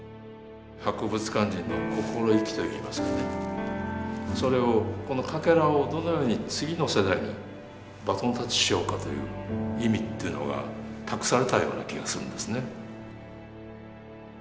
博物館人の心意気といいますかねそれをこのかけらをどのように次の世代にバトンタッチしようかという意味っていうのが託されたような気がするんですね。